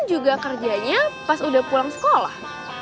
juga kerjanya pas udah pulang sekolah